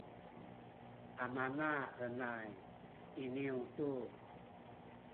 amanahenay iniyu tu